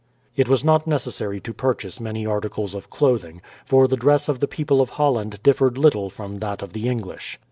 It was not necessary to purchase many articles of clothing, for the dress of the people of Holland differed little from that of the English.